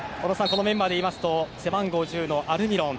このメンバーでいいますと背番号１０のアルミロン。